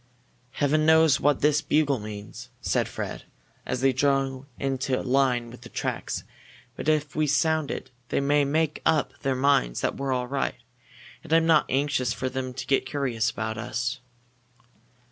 "Heaven knows what this bugle means!" said Fred, as they drew into line with the tracks. "But if we sound it they may make up their minds that we're all right and I'm not anxious for them to get curious about us."